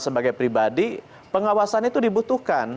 sebagai pribadi pengawasan itu dibutuhkan